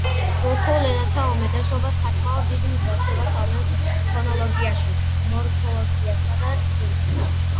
თურქულ ენათა უმეტესობა საკმაოდ დიდ მსგავსებას ავლენს ფონოლოგიაში, მორფოლოგიასა და სინტაქსში.